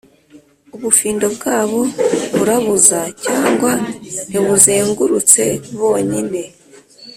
ubufindo bwabo burabuza: cyangwa ntibuzengurutse bonyine